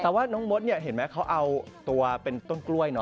แต่ว่าน้องมดเนี่ยเห็นไหมเขาเอาตัวเป็นต้นกล้วยเนอ